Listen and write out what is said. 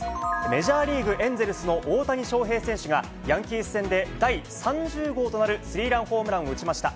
メジャーリーグ・エンゼルスの大谷翔平選手がヤンキース戦で第３０号となるスリーランホームランを打ちました。